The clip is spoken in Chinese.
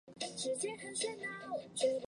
长女马以南托给湖南宁乡外婆家。